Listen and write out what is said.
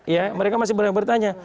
ya mereka masih banyak bertanya